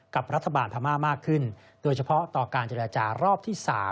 กับรัฐบาลพม่ามากขึ้นโดยเฉพาะต่อการเจรจารอบที่๓